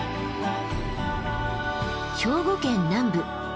兵庫県南部。